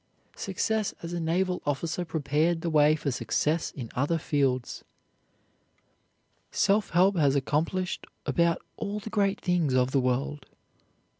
Success as a naval officer prepared the way for success in other fields. Self help has accomplished about all the great things of the world.